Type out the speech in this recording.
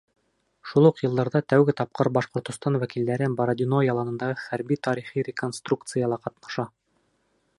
Шул уҡ йылдарҙа тәүге тапҡыр Башҡортостан вәкилдәре Бородино яланындағы хәрби-тарихи реконструкцияла ҡатнаша.